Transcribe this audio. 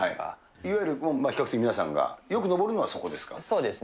いわゆる比較的皆さんがよくそうですね。